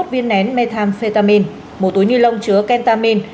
hai mươi một viên nén methamphetamine một túi ni lông chứa kentamine